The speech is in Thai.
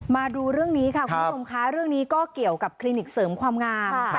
มาดูเรื่องนี้ค่ะคุณผู้ชมค่ะเรื่องนี้ก็เกี่ยวกับคลินิกเสริมความงาม